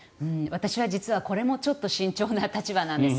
私は実はこれも慎重な立場なんです。